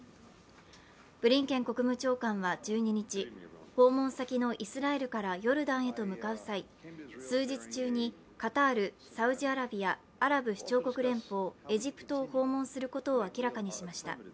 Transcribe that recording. ブリンケン国務長官は１２日、訪問先のイスラエルからヨルダンへと向かう際数日中にカタール、サウジアラビア、アラブ首長国連邦、エジプトを訪問することを明らかにしました。